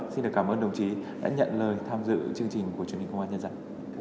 xin được cảm ơn đồng chí đã nhận lời tham dự chương trình của truyền hình công an nhân dân